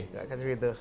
gak ada segitu